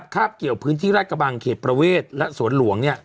คาบเกี่ยวพื้นที่ราชกระบังเขตประเวทและสวนหลวง